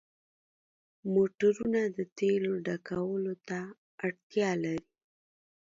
موټرونه د تیلو ډکولو ته اړتیا لري.